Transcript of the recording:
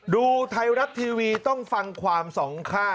ดูไทยรัฐทีวีต้องฟังความสองข้าง